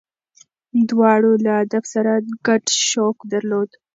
دواړو له ادب سره ګډ شوق درلود.